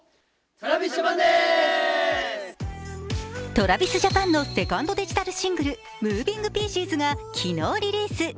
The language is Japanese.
ＴｒａｖｉｓＪａｐａｎのセカンドデジタルシングル、「ＭｏｖｉｎｇＰｉｅｃｅｓ」が昨日リリース。